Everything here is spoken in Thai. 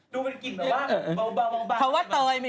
ดูเบอร์กิ๊ดเบา